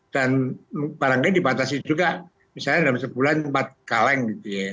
dan barangkali dipatasi juga misalnya dalam sebulan empat kaleng